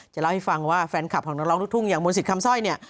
จะเล่าให้ฟังว่าแฟนคลับของน้องทุกอย่างมนศิษย์คำสร้อย